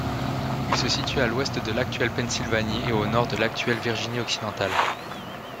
Il se situe à l'ouest de l'actuelle Pennsylvanie et au nord de l'actuelle Virginie-Occidentale.